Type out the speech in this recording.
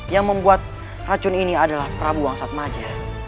yang membuat racun ini adalah prabu wangsat maja